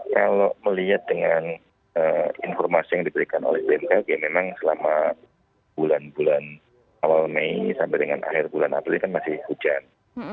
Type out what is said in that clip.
kalau melihat dengan informasi yang diberikan oleh bmkg memang selama bulan bulan awal mei sampai dengan akhir bulan april ini kan masih hujan